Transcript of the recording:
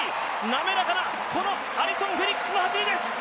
なめらかなこのアリソン・フェリックスの走りです。